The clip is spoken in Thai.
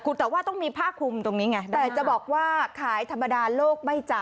แต่ว่าต้องมีผ้าคุมตรงนี้ไงแต่จะบอกว่าขายธรรมดาโลกไม่จ่าย